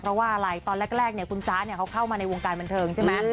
เพราะว่าอะไรตอนแรกคุณจ๊ะเขาเข้ามาในวงการบันเทิงใช่ไหม